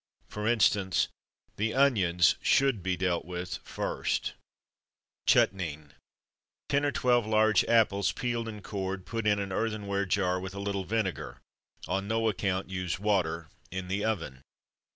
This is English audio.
For instance, the onions should be dealt with first. Chutnine. Ten or twelve large apples, peeled and cored, put in an earthenware jar, with a little vinegar (on no account use water) in the oven.